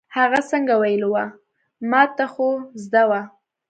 هغه څنګه ویلې وه، ما ته خو زده وه.